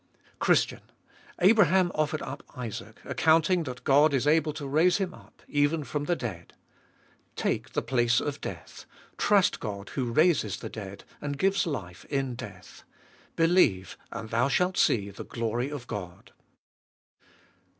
Christian ! Abraham offered up Isaac, accounting that God is able to raise him up, even from the dead. Take the place of death ; trust God who raises the dead, and gives life in death ; believe and thou shalt see the glory of God.